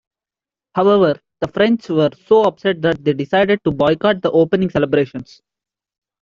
However, the French were so upset that they decided to boycott the opening celebrations.